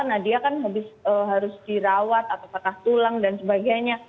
nah dia kan harus dirawat atau patah tulang dan sebagainya